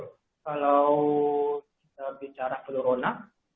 kalau kita bicara flu rona